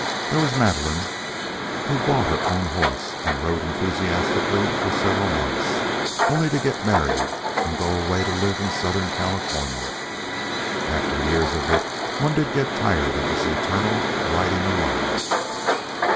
There was Madeline, who bought her own horse and rode enthusiastically for several months, only to get married and go away to live in Southern California. After years of it, one did get tired of this eternal riding alone.